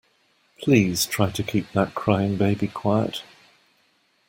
Please try to keep that crying baby quiet